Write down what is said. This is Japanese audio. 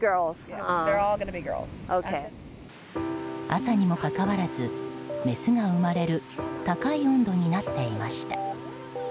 朝にもかかわらずメスが生まれる高い温度になっていました。